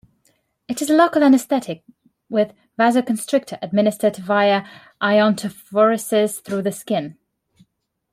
It is a local anesthetic with vasoconstrictor, administered via iontophoresis through the skin.